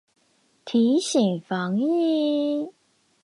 提醒防疫